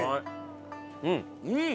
うん！